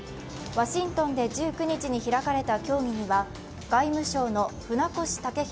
ワシントンで１９日に開かれた協議には外務省の船越健裕